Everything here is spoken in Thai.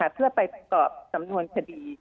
เพื่อไปตอบสำนวนคดี